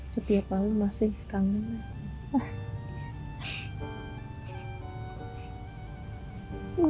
setiap hari masih tangan